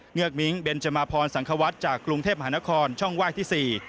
ือกมิ้งเบนจมาพรสังควัฒน์จากกรุงเทพมหานครช่องว่ายที่๔